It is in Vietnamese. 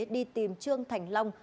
đi tìm trương thành long